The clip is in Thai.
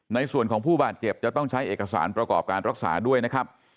ในส่วนของผู้บาดเจ็บจะต้องใช้เอกสารประกอบการรักษาด้วยนะครับ